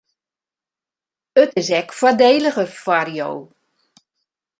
It is ek foardeliger foar jo.